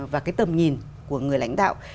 và cái tầm nhìn của người lãnh đạo